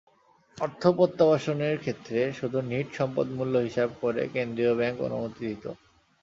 অর্থ প্রত্যাবাসনের ক্ষেত্রে শুধু নিট সম্পদমূল্য হিসাব করে কেন্দ্রীয় ব্যাংক অনুমতি দিত।